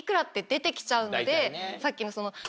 さっきの。